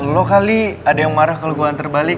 lo kali ada yang marah kalo gue nganter balik